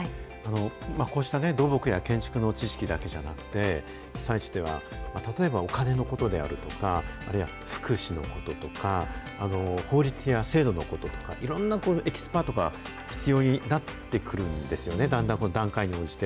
こうした土木や建築の知識だけじゃなくて、被災地では、例えばお金のことであるとか、あるいは福祉のこととか、法律や制度のこととか、いろんなエキスパートが必要になってくるんですよね、だんだん、段階に応じて。